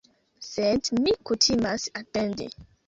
Sed mi kutimas atendi.